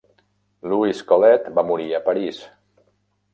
Louise Colet va morir a París.